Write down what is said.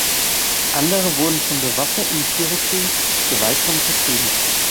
Andere wurden von bewaffneten Cherokee gewaltsam vertrieben.